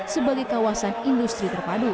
sebagai kawasan industri